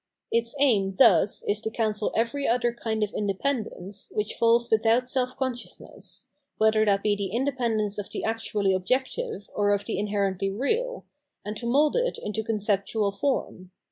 Its aim thus is to cancel every other kind of independence which falls without self conscious ness, whether that be the independence of the actually objective or of the inherently real, and to mould it into conceptual form.